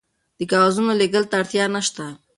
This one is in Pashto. د کاغذونو لیږلو ته اړتیا نشته.